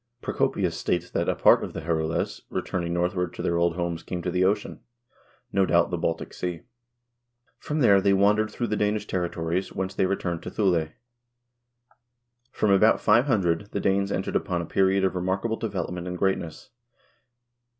Procopius states that a part of the Herules returning northward to their old homes came to the ocean; no doubt, the Baltic Sea. From there they wandered through the Danish territories, whence they returned to Thule. From about 500, the Danes entered upon a period of re markable development and greatness.